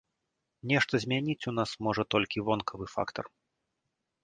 Нешта змяніць у нас можа толькі вонкавы фактар.